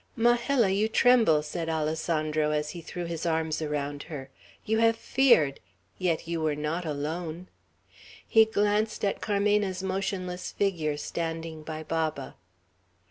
"Majella, you tremble," said Alessandro, as he threw his arms around her. "You have feared! Yet you were not alone." He glanced at Carmena's motionless figure, standing by Baba.